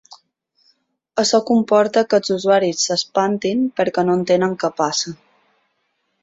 Això comporta que els usuaris “s’espantin perquè no entenen què passa”.